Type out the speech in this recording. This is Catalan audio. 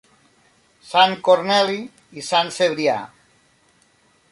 Sant Corneli i Sant Cebrià.